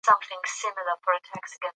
د درملنې ګډه طریقه اغېزمنه ده.